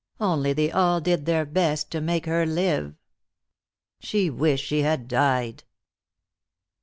Only they all did their best to make her live. She wished she had died.